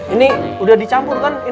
ini udah dicampur kan